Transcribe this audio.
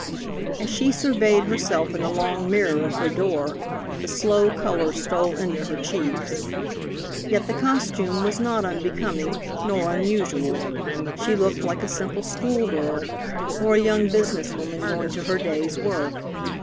As she surveyed herself in the long mirror of her door, the slow color stole into her cheeks. Yet the costume was not unbecoming, nor unusual. She looked like a simple schoolgirl, or a young business woman going to her day's work.